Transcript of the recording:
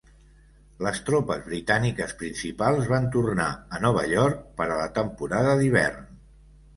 Les tropes britàniques principals van tornar a Nova York per a la temporada d'hivern.